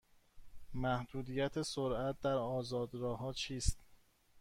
محدودیت سرعت در آزاد راه ها چیست؟